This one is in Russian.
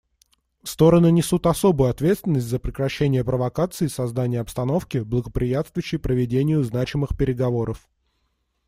Стороны несут особую ответственность за прекращение провокаций и создание обстановки, благоприятствующей проведению значимых переговоров.